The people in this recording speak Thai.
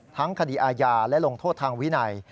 ทั้งคดีอาญาและลงโทษทางวินัย